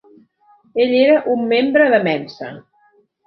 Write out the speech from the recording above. Ell era un membre de Mensa.